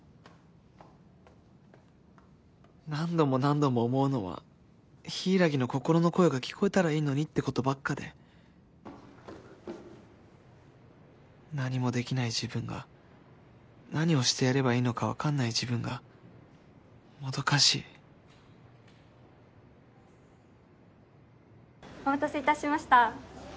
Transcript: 何度も何度も思うのは柊の心の声が聞こえたらいいのにってことばっかで何もできない自分が何をしてやればいいのか分かんない自分がもどかしいお待たせいたしました。